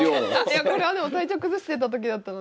いやこれはでも体調崩してた時だったので。